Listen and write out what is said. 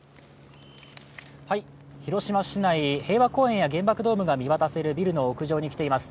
広島市内、平和公園や原爆ドームが見渡させるビルの屋上に来ています。